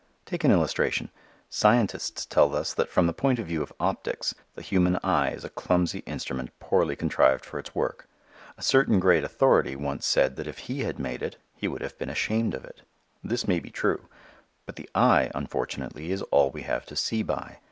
Take an illustration. Scientists tell us that from the point of view of optics the human eye is a clumsy instrument poorly contrived for its work. A certain great authority once said that if he had made it he would have been ashamed of it. This may be true. But the eye unfortunately is all we have to see by.